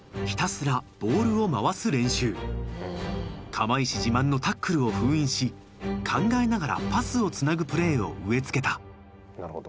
釜石自慢のタックルを封印し考えながらパスをつなぐプレーを植え付けた。